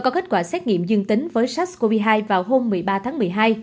cô đã được xét nghiệm dương tính với sars cov hai vào hôm một mươi ba tháng một mươi hai